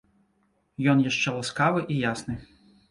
Ён яшчэ ласкавы і ясны.